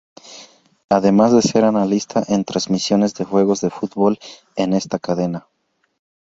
Además de ser analista en transmisiones de juegos de fútbol en esta cadena.